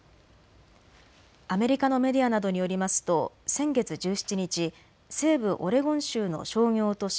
アメリカのメディアなどによりますと先月１７日、西部オレゴン州の商業都市